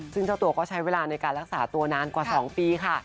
ซึ่งเจ้าตัวก็ใช้เวลาในการรักษาตัวนานกว่า๒ปีค่ะ